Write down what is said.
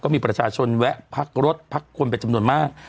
มีประชาชนแวะพักรถพักคนเป็นจำนวนมาก